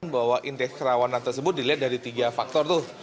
bahwa indeks kerawanan tersebut dilihat dari tiga faktor tuh